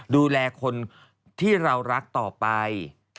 ดูแลคนที่เรารักต่อไป